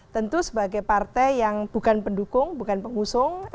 tentu sebagai partai yang bukan pendukung bukan pengusung